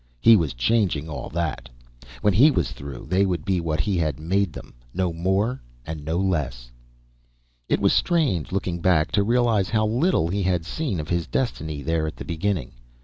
He was changing all that. When he was through, they would be what he had made them, no more and no less. It was strange, looking back, to realize how little he had seen of his destiny, there at the beginning.